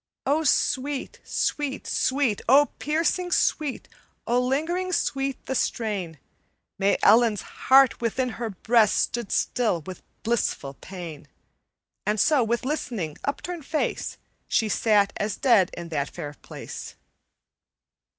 "O sweet, sweet, sweet, O piercing sweet, O lingering sweet the strain! May Ellen's heart within her breast Stood still with blissful pain: And so, with listening, upturned face, She sat as dead in that fair place.